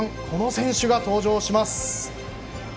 この選手が登場します。